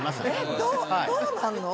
どうなるの？